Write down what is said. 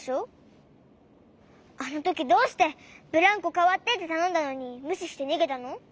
あのときどうして「ブランコかわって」ってたのんだのにむししてにげたの？